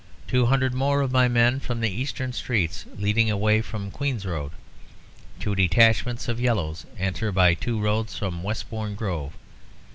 Two hundred more of my men from the eastern streets, leading away from Queen's Road. Two detachments of yellows enter by two roads from Westbourne Grove.